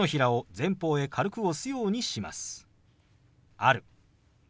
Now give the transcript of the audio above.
「ある」。